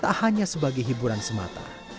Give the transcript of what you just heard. tak hanya sebagai hiburan semata